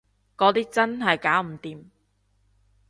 嗰啲真係搞唔掂